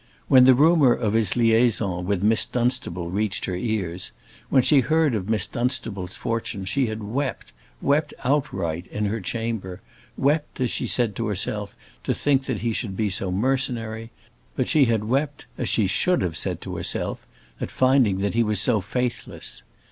When the rumour of his liaison with Miss Dunstable reached her ears, when she heard of Miss Dunstable's fortune, she had wept, wept outright, in her chamber wept, as she said to herself, to think that he should be so mercenary; but she had wept, as she should have said to herself, at finding that he was so faithless.